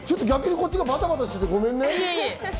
こっちがバタバタしてごめんね。